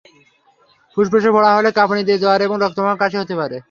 ফুসফুসে ফোঁড়া হলেও কাঁপুনি দিয়ে জ্বর এবং রক্তমাখা কাশি হতে পারে।